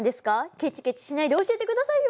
ケチケチしないで教えてくださいよ！